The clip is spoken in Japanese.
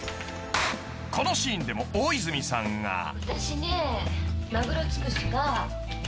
［このシーンでも大泉さんが］